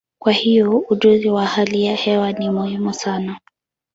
Kwa hiyo, ujuzi wa hali ya hewa ni muhimu sana.